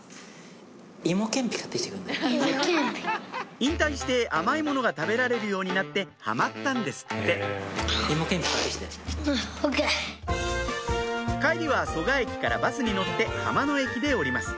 引退して甘いものが食べられるようになってハマったんですって帰りは蘇我駅からバスに乗って浜野駅で降ります